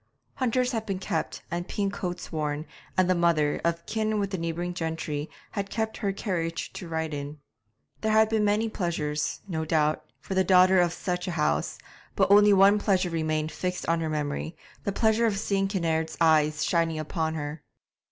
Hunters had been kept and pink coats worn, and the mother, of kin with the neighbouring gentry, had kept her carriage to ride in. There had been many pleasures, no doubt, for the daughter of such a house, but only one pleasure remained fixed on her memory, the pleasure of seeing Kinnaird's eyes shining upon her.